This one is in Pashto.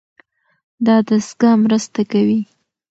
دا دستګاه مرسته کوي.